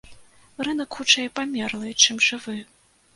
Рынак хутчэй памерлы, чым жывы.